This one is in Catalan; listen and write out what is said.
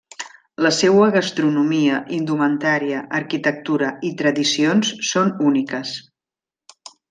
La seua gastronomia, indumentària, arquitectura i tradicions són úniques.